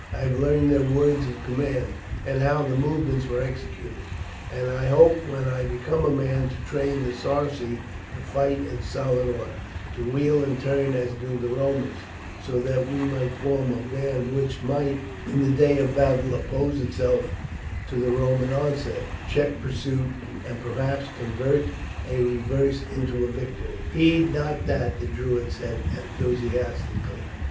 I have learned their words of command, and how the movements were executed, and I hope when I become a man to train the Sarci to fight in solid order, to wheel and turn as do the Romans, so that we might form a band which might in the day of battle oppose itself to the Roman onset, check pursuit, and perhaps convert a reverse into a victory." "Heed not that," the Druid said enthusiastically.